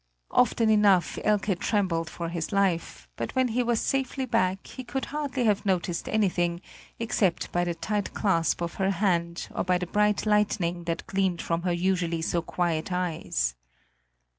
Often enough Elke trembled for his life, but when he was safely back, he could hardly have noticed anything, except by the tight clasp of her hand or by the bright lightning that gleamed from her usually so quiet eyes.